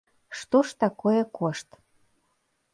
Што ж такое кошт?